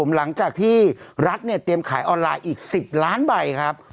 หลังจากที่รัฐเนี่ยเตรียมขายออนไลน์อีก๑๐ล้านใบครับ